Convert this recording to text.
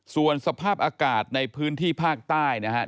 ส่วนสภาพอากาศในพื้นที่ภาคใต้นะครับ